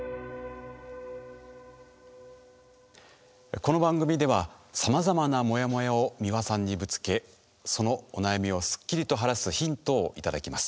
この番組ではさまざまなモヤモヤを美輪さんにぶつけそのお悩みをスッキリと晴らすヒントをいただきます。